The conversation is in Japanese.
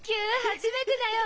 初めてだよ。